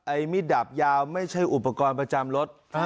มีดดาบยาวไม่ใช่อุปกรณ์ประจำรถ